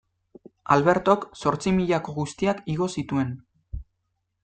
Albertok zortzimilako guztiak igo zituen.